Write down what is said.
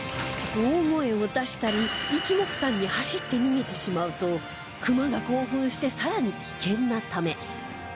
大声を出したり一目散に走って逃げてしまうとクマが興奮してさらに危険なため